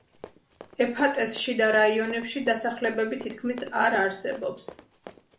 ეფატეს შიდა რაიონებში დასახლებები თითქმის არ არსებობს.